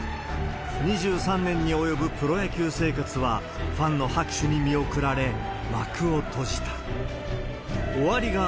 ２３年に及ぶプロ野球生活は、ファンの拍手に見送られ幕を閉じた。